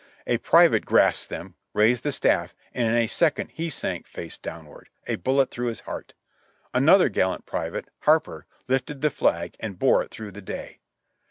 A private grasped them, raised the staft, and in a second he sank face downward, a bullet through his heart. Another gallant private, Harper, lifted the flag and bore it through the day.